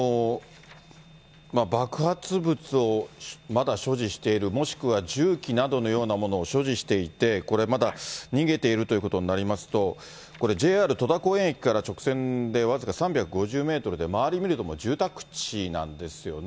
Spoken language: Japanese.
爆発物をまだ所持している、もしくはじゅうきなどのようなものを所持していて、これまだ逃げているということになりますと、ＪＲ戸田公園駅から直線でわずか３５０メートルで、周り見ると、もう住宅地なんですよね。